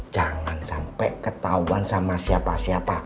jangan sampai ketahuan sama siapa siapa